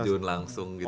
ya terjun langsung gitu